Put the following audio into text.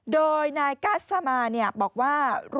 โดยนายกัสซ่ามาบอกว่า